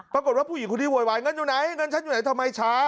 ผู้หญิงคนนี้โวยวายเงินอยู่ไหนเงินฉันอยู่ไหนทำไมช้า